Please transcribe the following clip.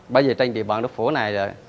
bây giờ trên địa bằng đức phổ này